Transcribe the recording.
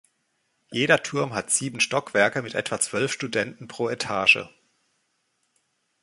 Jeder Turm hat sieben Stockwerke mit etwa zwölf Studenten pro Etage.